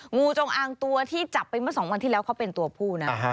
งูจงอางตัวที่จับไปเมื่อสองวันที่แล้วเขาเป็นตัวผู้นะ